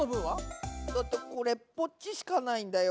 だってこれっぽっちしかないんだよ。